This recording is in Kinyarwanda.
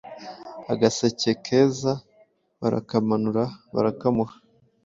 agaseke keza barakamanura barakamuha